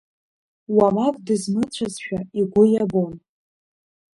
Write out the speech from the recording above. Уамак дызмыцәазшәа игәы иабон…